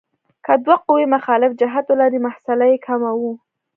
که دوه قوې مخالف جهت ولري محصله یې کموو.